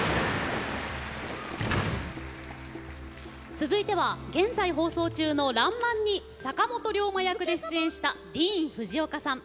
続いては現在、放送中の「らんまん」に坂本龍馬役で出演したＤＥＡＮＦＵＪＩＯＫＡさん。